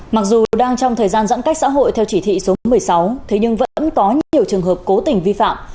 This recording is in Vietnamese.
mặc dù đang trong thời gian giãn cách xã hội theo chỉ thị số một mươi sáu thế nhưng vẫn có nhiều trường hợp cố tình vi phạm